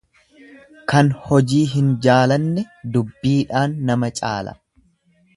Kan hojii hin jaalanne dubbiidhaan nama caala.